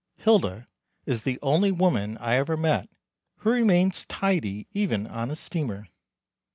Hilda is the only woman I ever met who remains tidy even on a steamer.